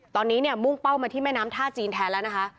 ตอนนี้เนี่ยมุ่งเป้ามาที่แม่น้ำท่าจีนแทนแล้วนะคะ